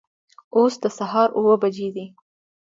اوس د سهار اوه بجې دي